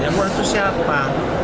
yang lurah itu siapa